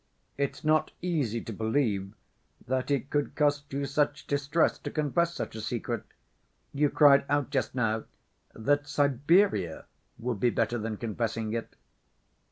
It's not easy to believe that it could cost you such distress to confess such a secret.... You cried out, just now, that Siberia would be better than confessing it